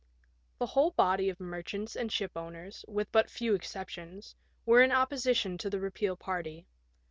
The whole body of merchants and shipowners, with but few exceptions, were in opposition to the repeal party.